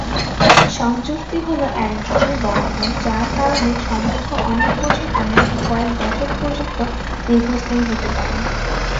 সংযুক্তি হল এক ধরনের বন্ধন যার কারণে সম্পর্ক অনেক বছর এমনকি কয়েক দশক পর্যন্ত দীর্ঘস্থায়ী হতে পারে।